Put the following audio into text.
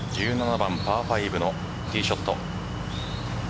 １７番、パー５のティーショット。